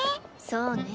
そうね。